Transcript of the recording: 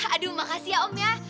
aduh makasih ya om ya